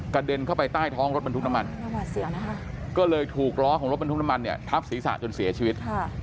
เด็นเข้าไปใต้ท้องรถบรรทุกน้ำมันก็เลยถูกล้อของรถบรรทุกน้ำมันเนี่ยทับศีรษะจนเสียชีวิต